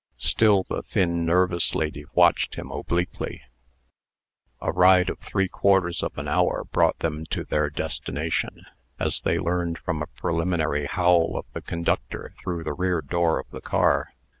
Still the thin, nervous lady watched him obliquely. A ride of three quarters of an hour brought them to their destination, as they learned from a preliminary howl of the conductor through the rear door of the car.